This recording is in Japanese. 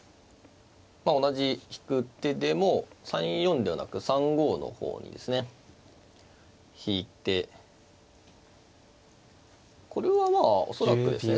まあ同じ引く手でも３四ではなく３五の方にですね引いてこれはまあ恐らくですね